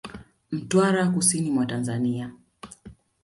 Mtwara Kusini mwa Tanzania